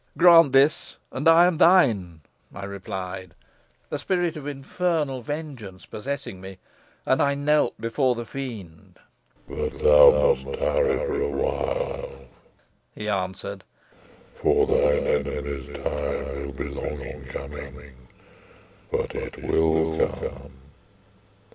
"'Grant this, and I am thine,' I replied, a spirit of infernal vengeance possessing me. And I knelt before the fiend. "'But thou must tarry for awhile,' he answered, 'for thine enemy's time will be long in coming; but it will come.